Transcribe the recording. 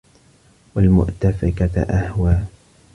وَالمُؤتَفِكَةَ أَهوى